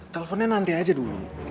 teleponnya nanti aja dulu